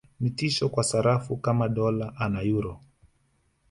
Ni tishio kwa sarafu kama Dola na Euro